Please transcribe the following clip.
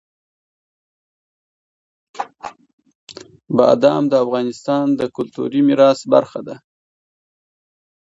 بادام د افغانستان د کلتوري میراث برخه ده.